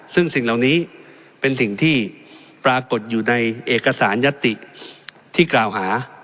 ซึ่งสิ่งเหล่านี้เป็นสิ่งที่ปรากฏอยู่ในเอกสารยัตติที่กล่าวหา